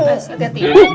udah uteh hati hati